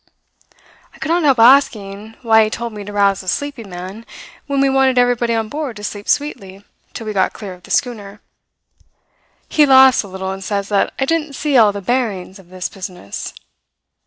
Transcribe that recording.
"I could not help asking why he told me to rouse a sleeping man, when we wanted everybody on board to sleep sweetly till we got clear of the schooner. He laughs a little and says that I didn't see all the bearings of this business.